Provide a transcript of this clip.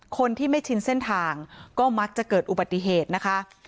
คนที่ไม่ชินเส้นทางก็มักจะเกิดอุบัติเหตุนะคะ